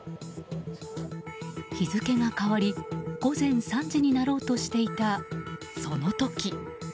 日付が変わり午前３時になろうとしていたその時。